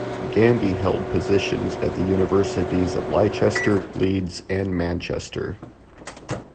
Gandy held positions at the Universities of Leicester, Leeds, and Manchester.